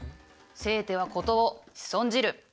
せいては事を仕損じる。